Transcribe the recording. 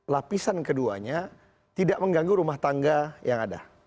lapisan keduanya tidak mengganggu rumah tangga yang ada